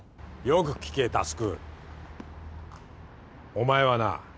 よく聞け匡お前はな。